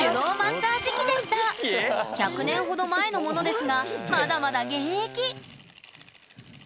１００年ほど前のものですがまだまだ現役！